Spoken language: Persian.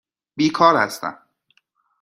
بیکار هستم.